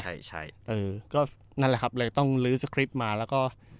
ใช่ใช่เออก็นั่นแหละครับเลยต้องลื้อสคริปต์มาแล้วก็